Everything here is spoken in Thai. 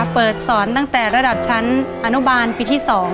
เปิดสอนตั้งแต่ระดับชั้นอนุบาลปีที่๒